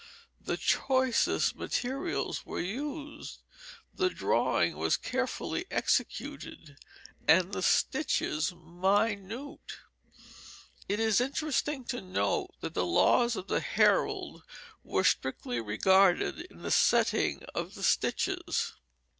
The choicest materials were used, the drawing was carefully executed, and the stitches minute. It is interesting to note that the laws of the herald were strictly regarded in the setting of the stitches.